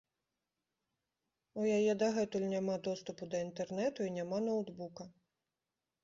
І ў яе дагэтуль няма доступу да інтэрнэту і няма ноўтбука.